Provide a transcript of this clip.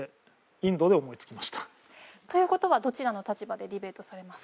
という事はどちらの立場でディベートされますか？